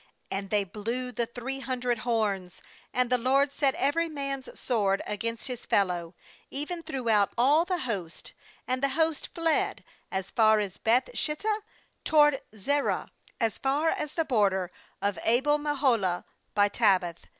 ^And they blew the three hundred horns, and the LOED set every man's sword against his fellow, even throughout all the host; and the host fled as far as Beth shittah toward Zererah, as far as the border of Abel meholah, by Tabbath.